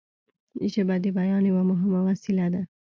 ژبه د بیان یوه مهمه وسیله ده